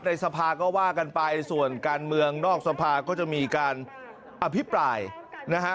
สภาก็ว่ากันไปส่วนการเมืองนอกสภาก็จะมีการอภิปรายนะฮะ